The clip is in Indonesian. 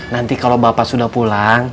nanti kalau bapak sudah pulang